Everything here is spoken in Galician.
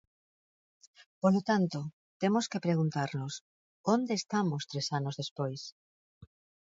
Polo tanto, temos que preguntarnos, ¿onde estamos tres anos despois?